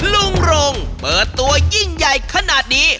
ลุงรงเปิดตัวยิ่งใหญ่ขนาดนี้